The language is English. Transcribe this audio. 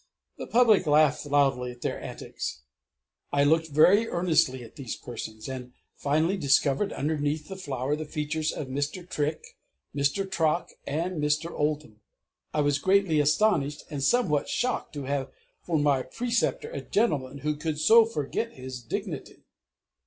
The public laughed loudly at their antics. I looked very earnestly at these persons, and I finally discovered underneath the flour the features of Mr. Trick, Mr. Trock and Mr. Oldham! I was greatly astonished, and somewhat shocked to have for my Preceptor a gentleman who could so forget his dignity!